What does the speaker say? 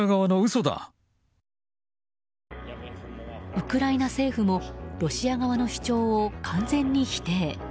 ウクライナ政府もロシア側の主張を完全に否定。